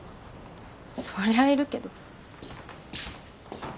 そりゃいるけど。